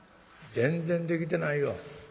全然できてないよ。